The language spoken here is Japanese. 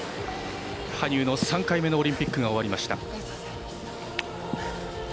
羽生の３回目のオリンピックが終わりました。